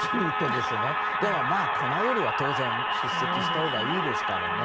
でも、来ないよりは当然出席したほうがいいですから。